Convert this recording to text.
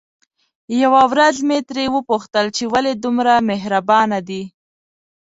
يوه ورځ مې ترې وپوښتل چې ولې دومره مهربانه دي؟